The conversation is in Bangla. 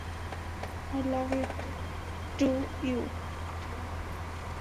I love you too you.